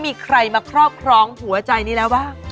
มีใครมาครอบครองหัวใจนี้แล้วบ้าง